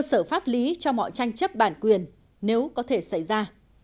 cơ sở pháp lý cho mọi tranh chấp bản quyền nếu có thể xảy ra